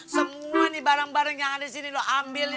semua ini barang barang yang ada di sini lo ambilin